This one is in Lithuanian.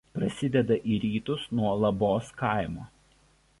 Prasideda į rytus nuo Labos kaimo.